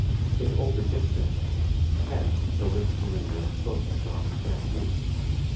_) In old Egyptian, ken originally meant both strong and weak.